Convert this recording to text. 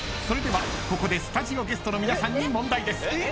［それではここでスタジオゲストの皆さんに問題です］